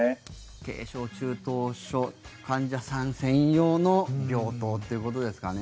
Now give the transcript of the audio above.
軽症、中等症の患者さん専用の病棟ということですかね。